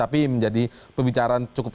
tapi menjadi pembicaraan cukup